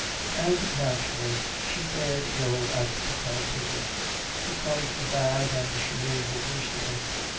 And naturally, she fared ill at the card table. Her cards were bad and she made the worst of them.